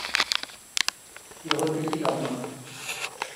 Et recueilli leur nom…